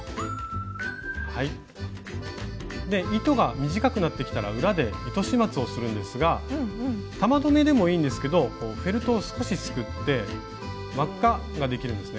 糸が短くなってきたら裏で糸始末をするんですが玉留めでもいいんですけどフェルトを少しすくって輪っかができるんですね